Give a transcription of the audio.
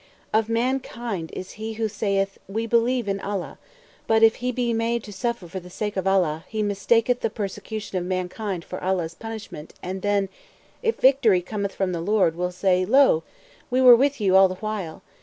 P: Of mankind is he who saith: We believe in Allah, but, if he be made to suffer for the sake of Allah, he mistaketh the persecution of mankind for Allah's punishment; and then, if victory cometh from thy Lord, will say: Lo! we were with you (all the while).